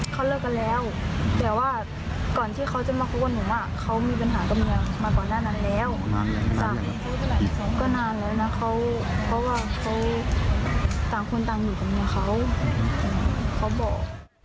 เพราะว่าเขาต่างคนต่างอยู่กับมียาเขาเขาบอก